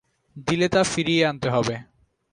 দিলে তা ফিরিয়ে আনতে হবে।